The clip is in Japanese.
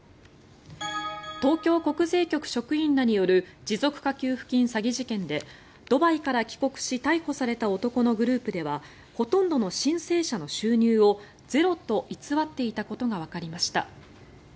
東京国税局職員らによる持続化給付金詐欺事件でドバイから帰国し逮捕された男のグループではほとんどの申請者の収入をゼロと偽っていたことがわかりました。